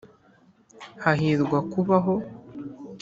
hahirwa kubaho.